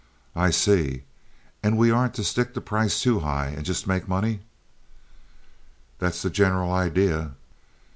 "I see. And we aren't to stick the price too high, and just make money?" "That's the general idea."